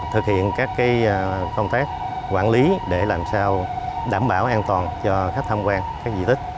thực hiện các công tác quản lý để làm sao đảm bảo an toàn cho khách tham quan các di tích